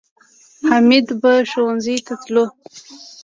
حمید به ښوونځي ته تلو